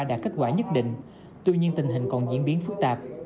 đã kết quả nhất định tuy nhiên tình hình còn diễn biến phức tạp